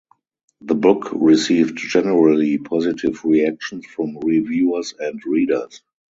The book received generally positive reactions from reviewers and readers.